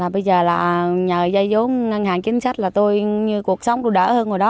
bây giờ là nhờ giai dố ngân hàng chính sách là tôi cuộc sống tôi đỡ hơn rồi đó